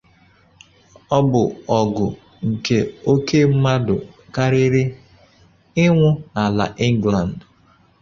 Ọ bu ọgụ "nke oke mmadu kárírí Í nwü na àlà England".